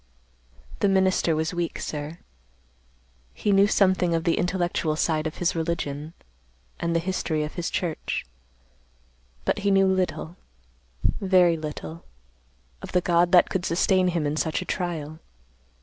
"The minister was weak, sir. He knew something of the intellectual side of his religion and the history of his church, but he knew little, very little, of the God that could sustain him in such a trial.